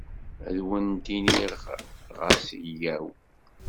Ad wen-d-iniɣ ɣas yyaw.